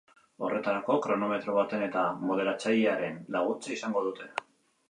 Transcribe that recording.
Horretarako, kronometro baten eta moderatzailearen laguntza izango dute.